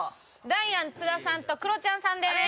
ダイアン津田さんとクロちゃんさんです。